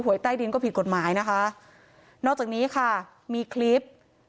ใต้ดินก็ผิดกฎหมายนะคะนอกจากนี้ค่ะมีคลิป